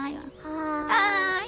はい。